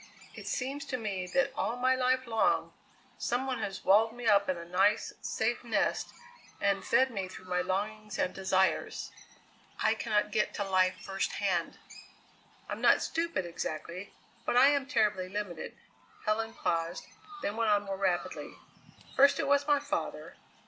"It seems to me that all my life long some one has walled me up in a nice, safe nest and fed me through my longings and desires. I cannot get to life first hand. I'm not stupid exactly, but I am terribly limited." Helen paused, then went on more rapidly: "First it was my father.